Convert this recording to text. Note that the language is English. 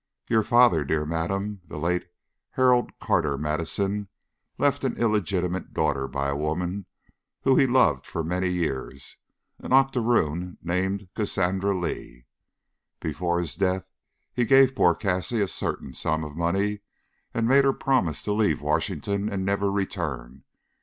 Your father, dear madam, the late Harold Carter Madison, left an illegitimate daughter by a woman whom he loved for many years, an octaroon named Cassandra Lee. Before his death he gave poor Cassie a certain sum of money, and made her promise to leave Washington and never return.